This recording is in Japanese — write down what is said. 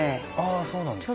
あそうなんですか。